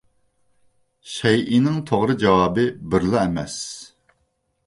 شەيئىنىڭ توغرا جاۋابى بىرلا ئەمەس.